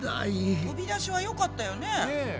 飛び出しはよかったよね。ね。